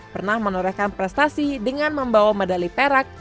pernah menorehkan prestasi dengan membawa medali perak